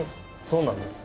そうなんですよ。